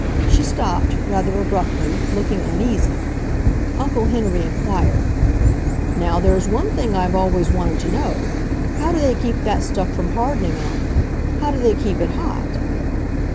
She stopped, rather abruptly, looking uneasy. Uncle Henry inquired: "Now there's one thing I've always wanted to know. How do they keep that stuff from hardening on them? How do they keep it hot?"